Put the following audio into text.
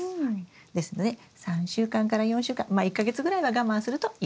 ですので３週間から４週間まあ１か月ぐらいは我慢するといいかな。